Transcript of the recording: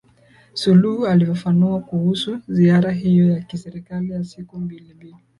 Suluhu alifafanua kuhusu ziara hiyo ya kiserikali ya siku mbili